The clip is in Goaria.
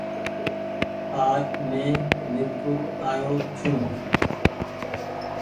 آج مينٚ مير پور آ يو ڇوٚنٚ